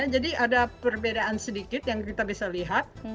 jadi ada perbedaan sedikit yang kita bisa lihat